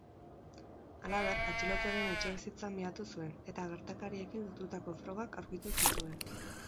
Halaber, atxilotuaren etxebizitza miatu zuen, eta gertakariekin lotutako frogak aurkitu zituen.